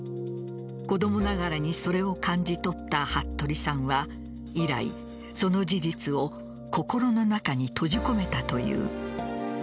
子どもながらにそれを感じ取った服部さんは以来、その事実を心の中に閉じ込めたという。